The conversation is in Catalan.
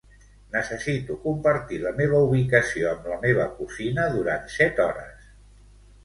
Necessito compartir la meva ubicació amb la meva cosina durant set hores.